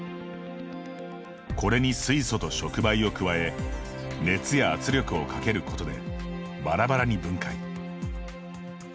これに水素と触媒を加え熱や圧力をかけることでバラバラに分解。